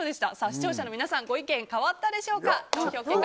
視聴者の皆さんご意見変わったでしょうか。